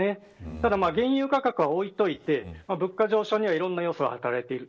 ただ、原油価格は置いといて物価上昇にはいろんな要素が働いている。